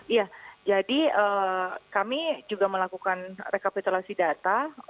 iya jadi kami juga melakukan rekapitulasi data